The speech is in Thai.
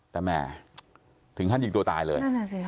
แต่แหม่ถึงขั้นยิงตัวตายเลย